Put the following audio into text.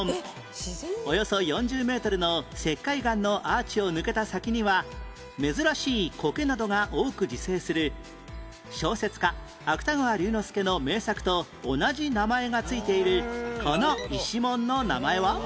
およそ４０メートルの石灰岩のアーチを抜けた先には珍しいコケなどが多く自生する小説家芥川龍之介の名作と同じ名前が付いているこの石門の名前は？